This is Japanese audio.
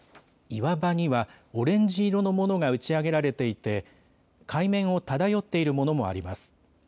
岩場にはオレンジ色のものが打ち上げられていて海面を漂っているものもあります。